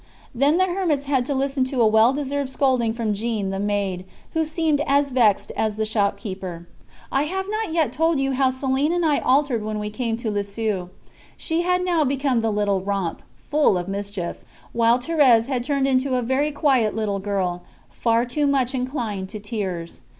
Then the hermits had to listen to a well deserved scolding from Jeanne, the maid, who seemed as vexed as the shopkeeper. I have not yet told you how Céline and I altered when we came to Lisieux. She had now become the little romp, full of mischief, while Thérèse had turned into a very quiet little girl, far too much inclined to tears.